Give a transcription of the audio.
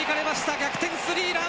逆転スリーラン！